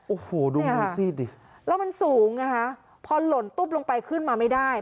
โอ้โหดูมือซีดดิแล้วมันสูงนะคะพอหล่นตุ๊บลงไปขึ้นมาไม่ได้